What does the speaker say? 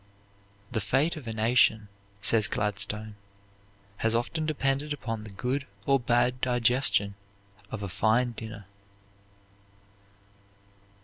"The fate of a nation," says Gladstone, "has often depended upon the good or bad digestion of a fine dinner."